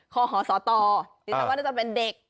ขอขอสอตอที่เขาว่าจะเป็นเด็ก